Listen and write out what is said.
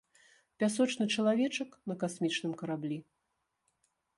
Пясочны чалавечак на касмічным караблі.